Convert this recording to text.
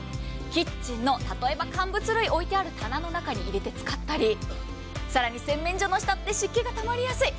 キッチンの乾物類を置いてある棚の中に入れて使ったり更に洗面所の下って湿気がたまりやすい。